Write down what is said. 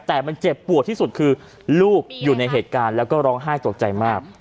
แต่มันเจ็บปวดที่สุดคือลูกอยู่ในเหตุการณ์แล้วก็ร้องไห้ตกใจมาก